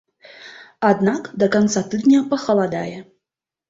Аднак да канца тыдня пахаладае.